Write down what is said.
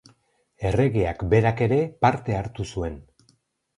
Erregeak berak ere parte hartu zuen.